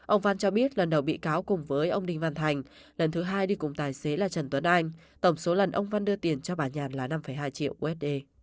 ông văn cho biết lần đầu bị cáo cùng với ông đinh văn thành lần thứ hai đi cùng tài xế là trần tuấn anh tổng số lần ông văn đưa tiền cho bà nhàn là năm hai triệu usd